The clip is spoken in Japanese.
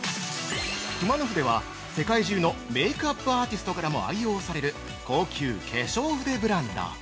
◆熊野筆は、世界中のメイクアップアーティストからも愛用される高級化粧筆ブランド。